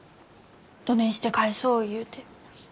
どねんして返そう言うて。